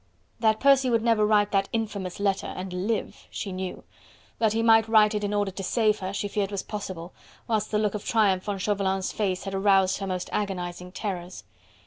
That Percy would never write that infamous letter and LIVE, she knew. That he might write it in order to save her, she feared was possible, whilst the look of triumph on Chauvelin's face had aroused her most agonizing terrors.